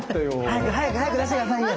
早く早く早く出して下さいよ。